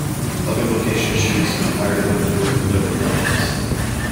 Other location shoots in Ireland were in the Dublin Mountains.